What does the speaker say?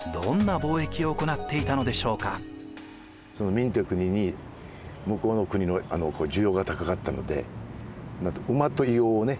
明という国に向こうの国の需要が高かったので馬と硫黄をね